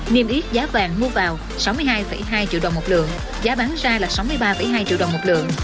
niêm yết giá vàng mua vào sáu mươi hai hai triệu đồng một lượng giá bán ra là sáu mươi ba hai triệu đồng một lượng